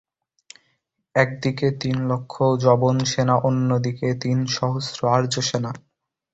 একদিকে তিনলক্ষ যবনসেনা, অন্যদিকে তিনসহস্র আর্যসৈন্য।